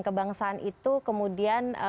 kebangsaan itu kemudian